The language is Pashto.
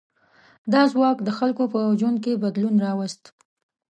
دا ځواک د خلکو په ژوند کې بدلون راوست.